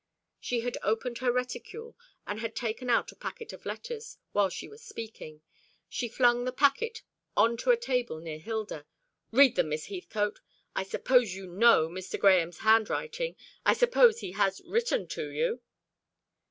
She had opened her reticule, and had taken out a packet of letters while she was speaking. She flung the packet on to a table near Hilda. "Read them, Miss Heathcote. I suppose you know Mr. Grahame's handwriting. I suppose he has written to you."